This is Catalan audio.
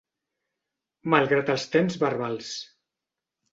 Malgrat els temps verbals.